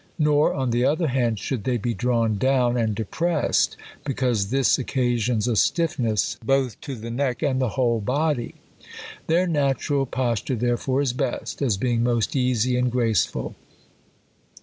Nor, on the other hand, should they be drawn down and depressed ; because this occasions a stiiihess both to the neck and the whole body. Their natural pos ture therefore is best, as being most easy and grace ful.